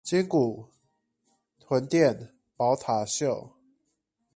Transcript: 鯨骨、臀墊、寶塔袖